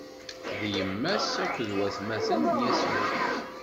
D yemma-s akked watmaten n Yasuɛ.